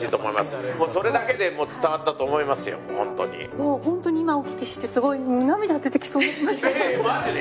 もうホントに今お聞きしてすごい涙が出てきそうになりました。